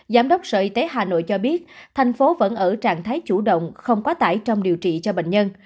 giám đốc sở y tế hà nội cho biết thành phố vẫn ở trạng thái chủ động không quá tải trong điều trị cho bệnh nhân